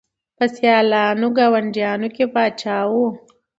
په سیالانو ګاونډیانو کي پاچا وو